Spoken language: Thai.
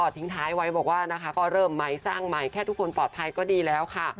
ทิ้งท้ายไว้บอกว่านะคะก็เริ่มใหม่สร้างใหม่แค่ทุกคนปลอดภัยก็ดีแล้วค่ะ